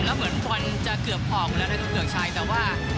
แล้วเหมือนวันจะเกือบออกมาแล้วนะครับเกือบใช่แต่ว่า